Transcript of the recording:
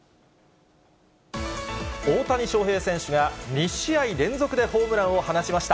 大谷翔平選手が、２試合連続でホームランを放ちました。